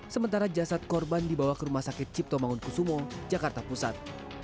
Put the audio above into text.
sementara jasad korban dibawa ke rumah sakit cipto mangunkusumo jakarta pusat